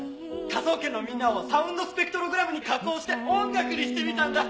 科捜研のみんなをサウンドスペクトログラムに加工して音楽にしてみたんだ！